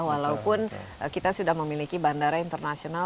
walaupun kita sudah memiliki bandara internasional